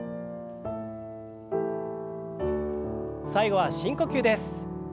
最後は深呼吸です。